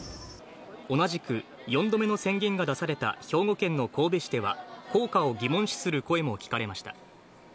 同じく４度目の宣言が出された兵庫県の神戸市では、効果を疑問視する声も聞かれました。